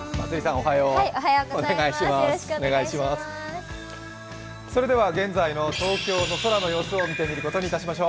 おはよう、お願いします。